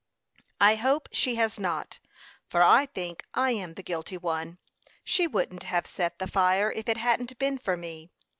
"I hope she has not; for I think I am the guilty one. She wouldn't have set the fire if it hadn't been for me.